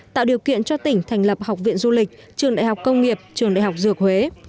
tạo điều kiện cho tỉnh thành lập học viện du lịch trường đại học công nghiệp trường đại học dược huế